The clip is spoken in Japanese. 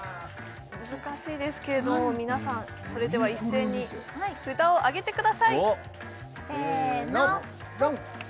難しいですけれども皆さんそれでは一斉に札を上げてくださいせのドン！